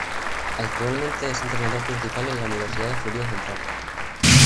Actualmente es entrenador principal en la Universidad de Florida Central.